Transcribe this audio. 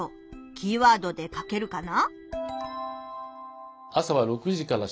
キーワードで書けるかな？